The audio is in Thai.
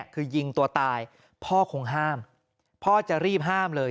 คือยิงตัวตายพ่อคงห้ามพ่อจะรีบห้ามเลย